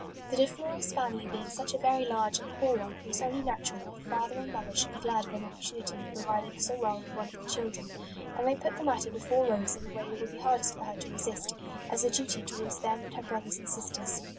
The De Flores family being such a very large and poor one, it was only natural that the father and mother should be glad of an opportunity of providing so well for one of the children ; and they put the matter before Rose in the way that would be hardest for her to resist, as a duty towards them and her brothers and sisters.